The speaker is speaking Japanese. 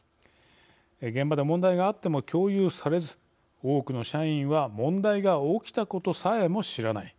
現場で問題があっても共有されず多くの社員は問題が起きたことさえも知らない。